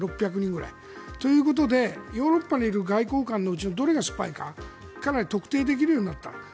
６００人くらい。ということでヨーロッパにいる外交官のうちのどれがスパイかかなり特定できるようになった。